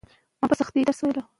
د ښځو کار کورنۍ پیاوړې کوي.